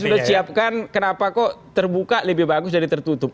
sudah siapkan kenapa kok terbuka lebih bagus dari tertutup